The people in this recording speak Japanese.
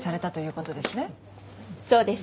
そうです。